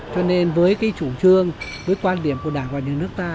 cho nên với cái chủ trương với quan điểm của đảng và nhà nước ta